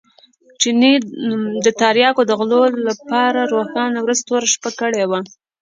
چیني د تریاکو د غلو لپاره روښانه ورځ توره شپه کړې وه.